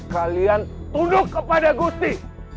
kalian tunduk kepada gusti